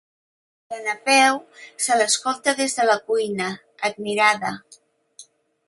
La Napeu se l'escolta des de la cuina, admirada.